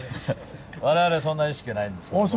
我々はそんな意識はないんですけども。